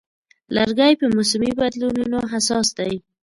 لرګی په موسمي بدلونونو حساس دی.